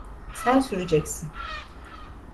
Sen süreceksin.